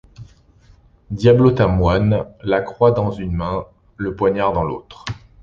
Diablotin-moine, la croix dans une main, le poignard dans l’autre.